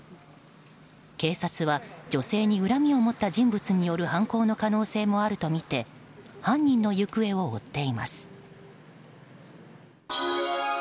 警察は女性に恨みを持った人物による犯行の可能性もあるとみて犯人の行方を追っています。